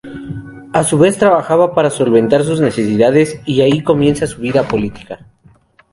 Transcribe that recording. A su vez trabajaba para solventar sus necesidades y ahí comienza su vida política.